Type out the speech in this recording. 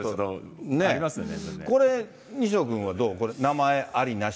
これ、西野君はどうこれ、名前、ありなし？